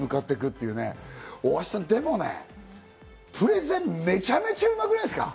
大橋さん、でもねプレゼン、めちゃめちゃうまくないですか？